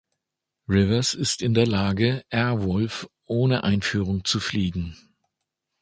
Rivers ist in der Lage, Airwolf ohne Einführung zu fliegen.